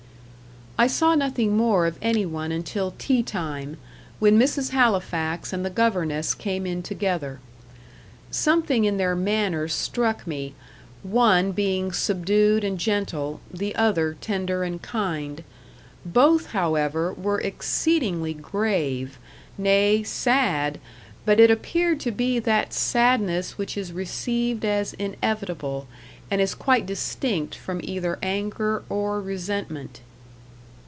I saw nothing more of any one until tea time; when Mrs. Halifax and the governess came in together. Something in their manner struck me one being subdued and gentle, the other tender and kind. Both, however, were exceedingly grave nay, sad, but it appeared to be that sadness which is received as inevitable, and is quite distinct from either anger or resentment.